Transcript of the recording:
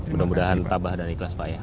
mudah mudahan tabah dan ikhlas pak ya